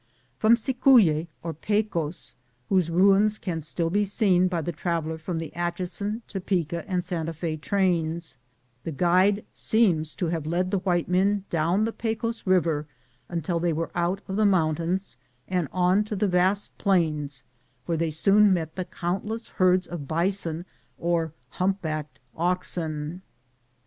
From Cieuye or Pecos, whose rains can still be seen by the traveller from the Atchison, Topeka and Santa ¥6 trains, the guide seems to have led the white men down the Pecos Biver until they were out of the mountains, and on to the vast plains where they soon met the countless herds of bison or "humpbacked oxen."